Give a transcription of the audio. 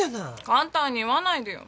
簡単に言わないでよ。